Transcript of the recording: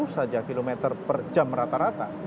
satu ratus lima puluh saja km per jam rata rata